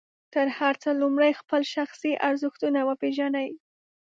تر هر څه لومړی خپل شخصي ارزښتونه وپېژنئ.